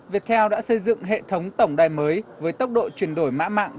viettel đã xây dựng hệ thống tổng đài mới với tốc độ chuyển đổi mã mạng